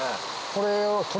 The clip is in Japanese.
これを。